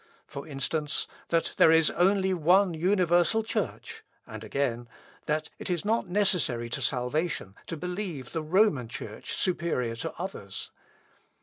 For instance, 'That there is only one universal church,' and again, 'That it is not necessary to salvation to believe the Roman Church superior to others.'